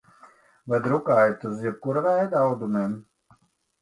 Vai drukājat uz jebkura veida audumiem?